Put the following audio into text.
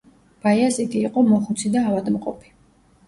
ბაიაზიდი იყო მოხუცი და ავადმყოფი.